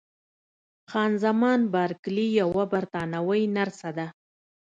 خان زمان بارکلي یوه بریتانوۍ نرسه ده.